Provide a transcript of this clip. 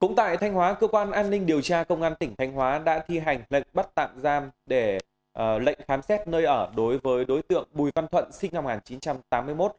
cũng tại thanh hóa cơ quan an ninh điều tra công an tỉnh thanh hóa đã thi hành lệnh bắt tạm giam để lệnh khám xét nơi ở đối với đối tượng bùi văn thuận sinh năm một nghìn chín trăm tám mươi một